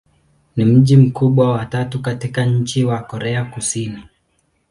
Ni mji mkubwa wa tatu katika nchi wa Korea Kusini.